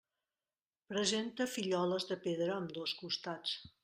Presenta filloles de pedra a ambdós costats.